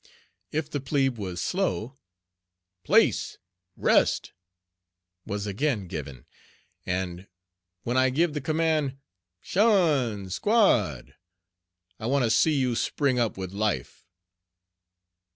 If the plebe was slow, "place, rest" was again given, and "When I give the command ''tion, squad,' I want to see you spring up with life."